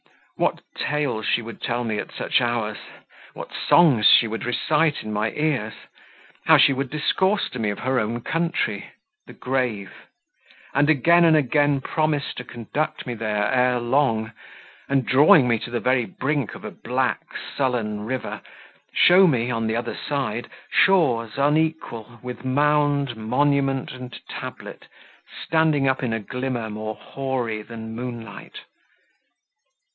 What tales she would tell me at such hours! What songs she would recite in my ears! How she would discourse to me of her own country the grave and again and again promise to conduct me there ere long; and, drawing me to the very brink of a black, sullen river, show me, on the other side, shores unequal with mound, monument, and tablet, standing up in a glimmer more hoary than moonlight.